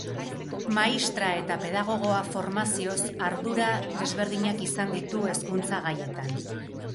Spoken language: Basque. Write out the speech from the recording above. Maistra eta pedagogoa formazioz, ardura desberdinak izan ditu hezkuntza gaietan.